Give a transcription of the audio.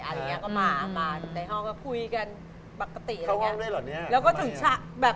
โอ้ยจับเจอเลย